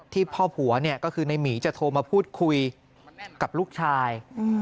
พ่อผัวเนี่ยก็คือในหมีจะโทรมาพูดคุยกับลูกชาย